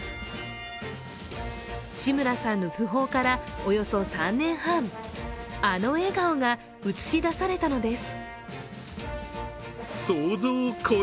志村さんの訃報から、およそ３年半、あの笑顔が映し出されたのです。